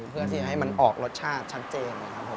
เพื่อที่ให้มันออกรสชาติชัดเจนนะครับผม